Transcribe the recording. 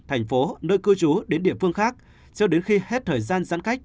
thành phố nơi cư trú đến địa phương khác cho đến khi hết thời gian giãn cách